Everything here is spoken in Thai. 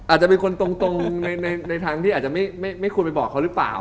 อาจจะเป็นคนตรงในทางที่อาจจะไม่ควรไปบอกเขาหรือเปล่า